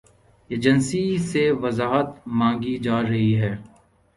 Agency سے وضاحت مانگی جا رہی ہے۔